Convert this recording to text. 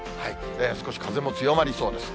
少し風も強まりそうです。